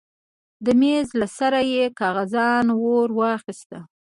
د مېز له سره يې کاغذان ورواخيستل.